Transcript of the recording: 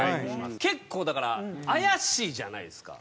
結構だから怪しいじゃないですか。